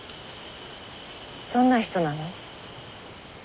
どんな人なの？